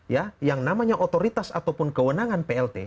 ya yang namanya otoritas ataupun kewenangan plt